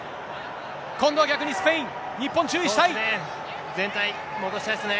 今度は逆にスペイン、日本、全体、戻したいですね。